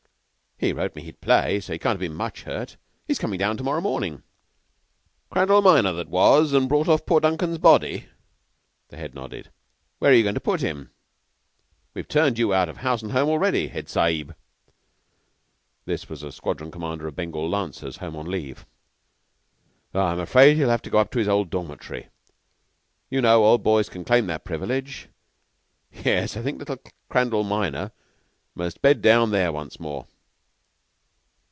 "He wrote me he'd play, so he can't have been much hurt. He's coming down to morrow morning." "Crandall minor that was, and brought off poor Duncan's body?" The Head nodded. "Where are you going to put him? We've turned you out of house and home already, Head Sahib." This was a Squadron Commander of Bengal Lancers, home on leave. "I'm afraid he'll have to go up to his old dormitory. You know old boys can claim that privilege. Yes, I think little Crandall minor must bed down there once more."